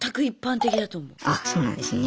あそうなんですね。